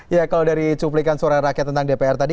ya kalau dari cuplikan suara rakyat tentang dpr tadi